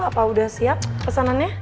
apa udah siap pesanannya